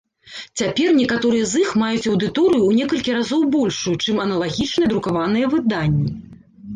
Цяпер некаторыя з іх маюць аўдыторыю ў некалькі разоў большую, чым аналагічныя друкаваныя выданні.